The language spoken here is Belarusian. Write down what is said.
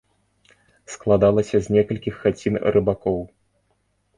Складалася з некалькіх хацін рыбакоў.